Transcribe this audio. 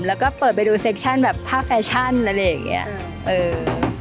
แล้วก็เปิดไปดูเซคชั่นแบบภาพแฟชั่นอะไรอย่างเงี้ยเออ